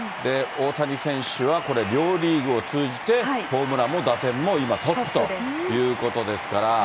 大谷選手はこれ、両リーグを通じて、ホームランも打点も今トップということですから。